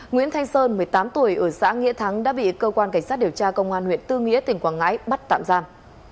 nguyễn thanh sơn một mươi tám tuổi ở xã nghĩa thắng đã bị cơ quan cảnh sát điều tra công an huyện tư nghĩa tỉnh quảng ngãi bắt tạm giam